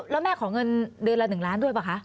แล้วแม่ขอเงินเดือนละ๑ล้านด้วยป่ะคะ